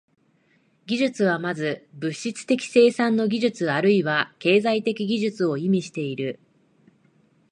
技術は先ず物質的生産の技術あるいは経済的技術を意味している。